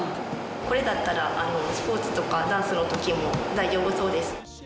これだったらスポーツとかダンスの時も大丈夫そうです。